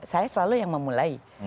saya selalu yang memulai